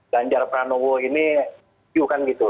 ganjar pranowo ini yuk kan gitu